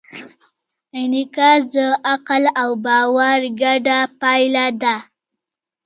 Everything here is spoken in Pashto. انعکاس د عقل او باور ګډه پایله ده.